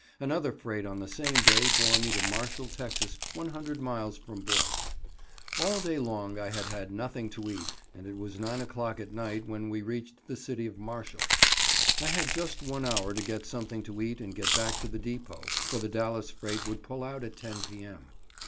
Another freight on the same day bore me to Marshall, Tex., 100 miles from Boyce. All day long I had had nothing to eat and it was 9 o'clock at night when we reached the city of Marshall. I had just one hour to get something to eat and get back to the depot, for the Dallas freight would pull out at 10 p. m.